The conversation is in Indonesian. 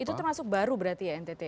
itu termasuk baru berarti ya ntt